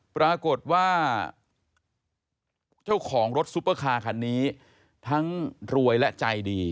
ปรากฏว่าเจ้าของรถซุปเปอร์คาร์คันนี้ทั้งรวยและใจดี